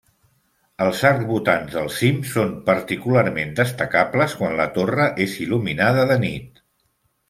Els arcbotants del cim són particularment destacables quan la torre és il·luminada de nit.